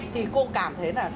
thì cô cảm thấy là